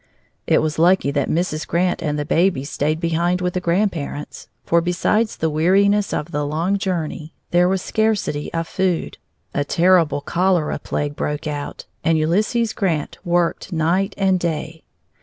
It was lucky that Mrs. Grant and the babies stayed behind with the grandparents, for besides the weariness of the long journey, there was scarcity of food; a terrible cholera plague broke out, and Ulysses Grant worked night and day.